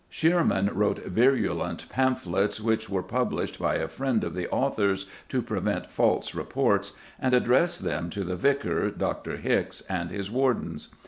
Shearman wrote virulent pamphlets which were "published by a friend of the Author's, to prevent false reports," and addressed them to the Vicar, Dr. Hickes, and his wardens.